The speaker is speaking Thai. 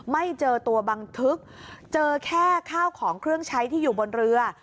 ไม่เจอตัวบังทึกเจอแค่ข้าวของเครื่องใช้ที่อยู่บนเรือ